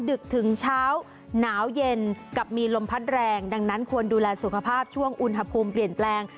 ดึกถึงเช้าหนาวเย็นกับมีลมพัดแรงดังนั้นควรดูแลสุขภาพช่วงอุณหภูมิเปลี่ยนแปลง